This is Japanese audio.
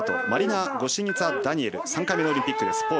マリナ・ゴシエニツァダニエル３回目のオリンピックです。